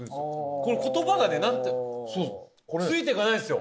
これ言葉がね何ていうついていかないんですよ